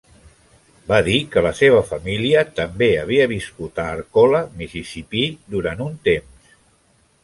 Va dir que la seva família també havia viscut a Arcola, Mississippi, durant un temps.